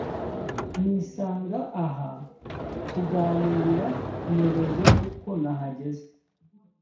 nisanga aha tuganirira nyoberwa uko nahageze